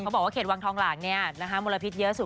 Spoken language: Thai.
บอกว่าเขตวังทองหลังมลพิษเยอะสุด